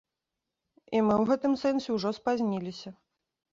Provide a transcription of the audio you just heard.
І мы ў гэтым сэнсе ўжо спазніліся.